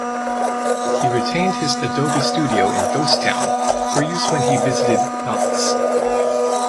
He retained his adobe studio in Ghost Town for use when he visited Knott’s.